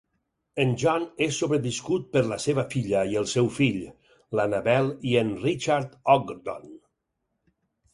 En John és sobreviscut per la seva filla i el seu fill, l"Annabel i en Richard Ogdon.